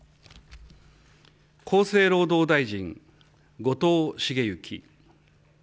厚生労働大臣、後藤茂之。